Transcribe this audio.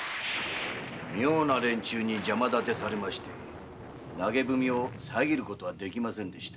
妙な連中に邪魔だてされまして投げ文を遮ることはできませんでした。